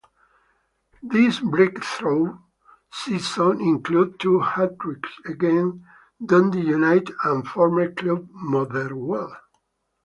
This breakthrough season included two hat-tricks; against Dundee United and former club Motherwell.